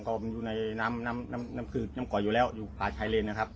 ก็มันอยู่ในน้ำน้ำน้ำน้ำขืดน้ำก๋อยอยู่แล้วอยู่ปลาใช้เล่นนะครับ